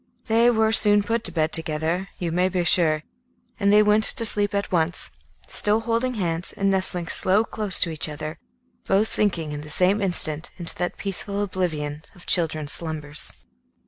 They were soon put to bed, together, you may be sure, and they went to sleep at once, still holding hands and nestling close to each other, both sinking in the same instant into the peaceful oblivion of children's slumbers.